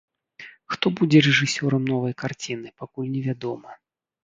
Хто будзе рэжысёрам новай карціны, пакуль невядома.